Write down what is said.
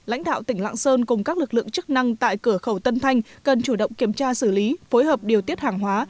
lãnh đạo tỉnh lạng sơn cùng các lực lượng chức năng tại cửa khẩu tân thanh cần chủ động kiểm tra xử lý phối hợp điều tiết hàng hóa